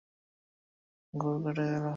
সব-শেষ সিঁড়িটা পার হবার পর আমার ঘোর কেটে গেল।